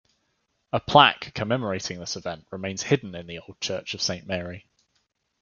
A plaque commemorating this event remains hidden in the old church of Saint Mary.